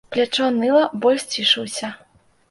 Плячо ныла, боль сцішыўся.